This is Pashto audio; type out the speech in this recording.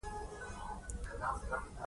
د اتمې ناحیې اړوند د ستانکزي له څلورلارې